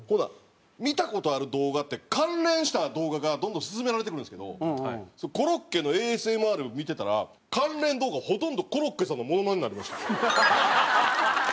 見た事ある動画って関連した動画がどんどん薦められてくるんですけどコロッケのＡＳＭＲを見てたら関連動画ほとんどコロッケさんのモノマネになりました。